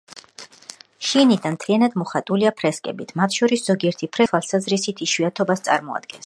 შიგნიდან მთლიანად მოხატულია ფრესკებით, მათ შორის ზოგიერთი ფრესკა იკონოგრაფიული თვალსაზრისით იშვიათობას წარმოადგენს.